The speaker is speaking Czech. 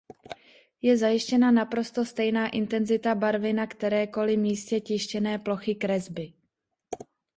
Je zajištěna naprosto stejná intenzita barvy na kterékoli místě tištěné plochy kresby.